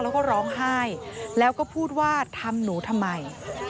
แล้วก็ร้องไห้แล้วก็พูดว่าทำหนูทำไม